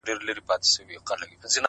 هره رڼا له کوچنۍ ځلا پیلېږي.!